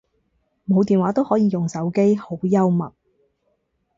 冇電話都可以用手機，好幽默